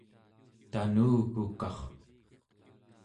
tanugukar